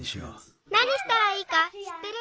なにしたらいいかしってる！